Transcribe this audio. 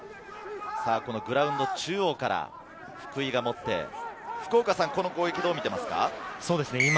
グラウンド中央から福井が持って、この攻撃をどう見ていますか？